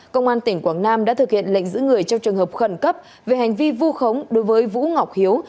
công an tỉnh quảng nam đã thực hiện lệnh giữ người trong trường hợp khẩn cấp về hành vi vu khống đối với vũ ngọc hiếu